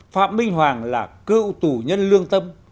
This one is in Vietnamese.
phạm minh hoàng là cựu tù nhân lương tâm